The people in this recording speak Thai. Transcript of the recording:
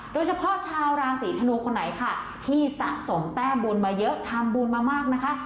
โดยเฉพาะชาวราศีธนูคนไหนค่ะที่สะสมแต้มบุญมาเยอะทำบุญมามากนะคะ